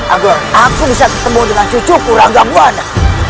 agar aku bisa bertemu dengan cucu rangga buwana